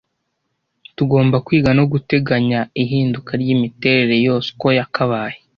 Tugomba kwiga no guteganya ihinduka ryimiterere yose uko yakabaye